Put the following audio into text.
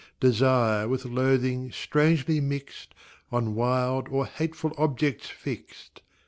Desire with loathing strangely mixed On wild or hateful objects fixed.